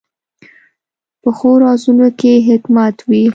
پخو رازونو کې حکمت وي